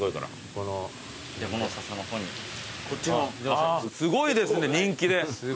あっすごいですね人気で。